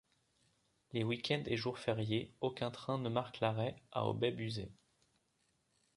Les week-ends et jours fériés, aucun train ne marque l’arrêt à Obaix-Buzet.